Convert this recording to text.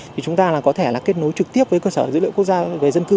thì chúng ta có thể là kết nối trực tiếp với cơ sở dữ liệu quốc gia về dân cư